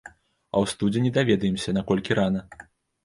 А ў студзені даведаемся, наколькі рана.